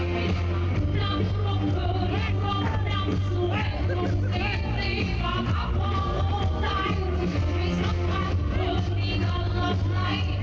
ทุกสินที่บาปภาพลูกใจไม่สำคัญเพื่อนที่กำลังไหล